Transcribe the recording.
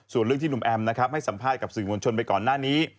ส่วนเรื่องที่หนุ่มแอมนะครับให้สัมภาษณ์กับสื่อมวลชนไปก่อนหน้านี้